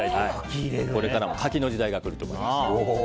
これからは柿の時代が来ると思います。